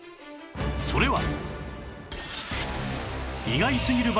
それは